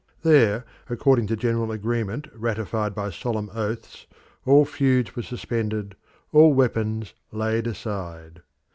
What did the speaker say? There, according to general agreement ratified by solemn oaths, all feuds were suspended, all weapons laid aside.